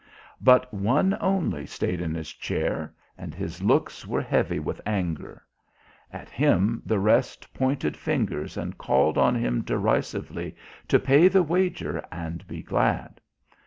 But one only stayed in his chair, and his looks were heavy with anger. At him the rest pointed fingers and called on him derisively to pay the wager and be glad.